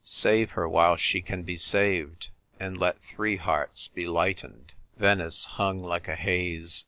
Save her while she can be saved, and let three hearts be lightened.'" Venice hung like a haze.